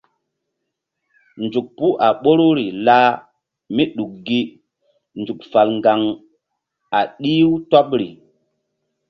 Nzuk puh a ɓoruri lah míɗuk gi nzuk fal ŋgaŋ a ɗih-u tɔbri.